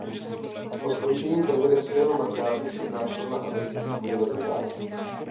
Po skončení prezidentského mandátu přednášel na amerických univerzitách.